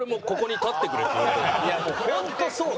「ここに立ってくれ」。